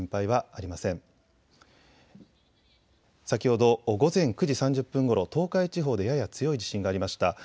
先ほど午前９時３０分ごろ東海地方でやや強い地震がありました。